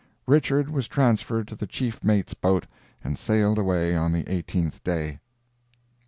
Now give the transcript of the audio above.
Richard was transferred to the chief mate's boat and sailed away on the eighteenth day.